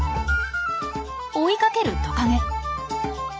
追いかけるトカゲ。